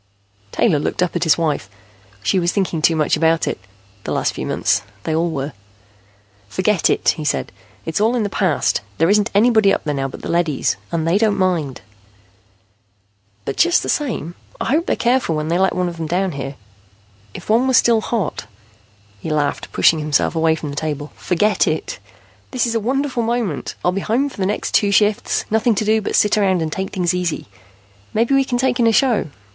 Taylor looked up at his wife. She was thinking too much about it, the last few months. They all were. "Forget it," he said. "It's all in the past. There isn't anybody up there now but the leadys, and they don't mind." "But just the same, I hope they're careful when they let one of them down here. If one were still hot " He laughed, pushing himself away from the table. "Forget it. This is a wonderful moment; I'll be home for the next two shifts. Nothing to do but sit around and take things easy. Maybe we can take in a show.